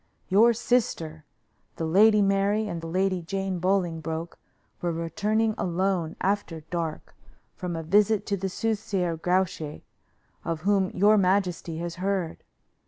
Your sister, the Lady Mary, and Lady Jane Bolingbroke were returning alone, after dark, from a visit to the soothsayer Grouche, of whom your majesty has heard.